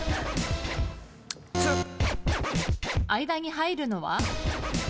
間に入るのは？